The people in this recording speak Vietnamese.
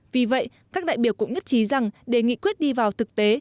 vì vậy các đại biểu cũng nhất trí rằng để nghị quyết đi vào thực tế